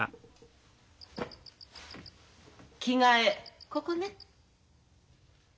着替えここね。